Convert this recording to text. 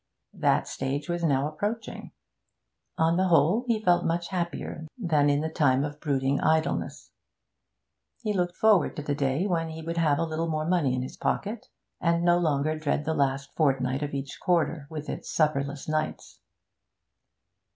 That stage was now approaching. On the whole, he felt much happier than in the time of brooding idleness. He looked forward to the day when he would have a little more money in his pocket, and no longer dread the last fortnight of each quarter, with its supperless nights.